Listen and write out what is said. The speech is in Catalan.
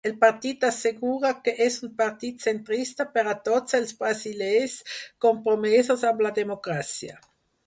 El partit assegura que és un partit centrista per a tots els brasilers compromesos amb la democràcia.